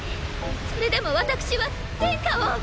それでも私は殿下を。